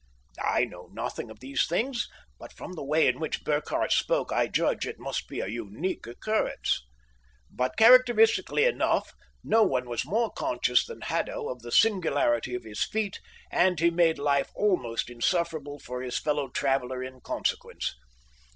I know nothing of these things, but from the way in which Burkhardt spoke, I judge it must be a unique occurrence. But, characteristically enough, no one was more conscious than Haddo of the singularity of his feat, and he made life almost insufferable for his fellow traveller in consequence.